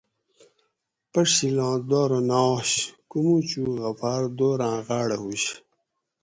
پھڛیلاں دارو نہ آش کوموچوک غفار دوراں غاڑہ ھوش